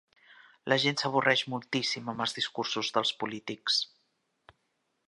La gent s'avorreix moltíssim amb els discursos dels polítics.